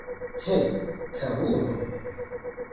He, karulo!